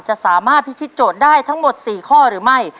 จะสามารถพิธีโจทย์ได้ทั้งหมด๔ข้อหรือไม่